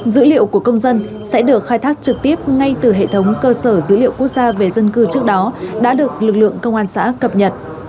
dữ liệu của công dân sẽ được khai thác trực tiếp ngay từ hệ thống cơ sở dữ liệu quốc gia về dân cư trước đó đã được lực lượng công an xã cập nhật